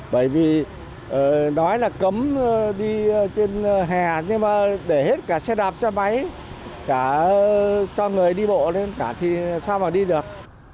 bởi vì nói là cấm đi trên hè nhưng mà để hết cả xe đạp xe máy cả cho người đi bộ lên cả thì sao mà đi được